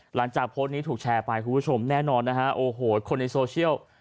หลังจากโพสต์นี้ถูกแชร์ไปคุณผู้ชมแน่นอนนะฮะโอ้โหคนในโซเชียล